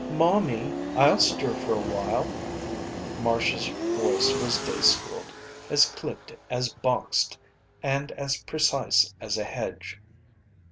"Momie, I'll stir for a while." Marcia's voice was day schooled. As clipped, as boxed, and as precise as a hedge.